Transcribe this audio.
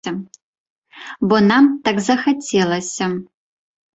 Бо нам так захацелася.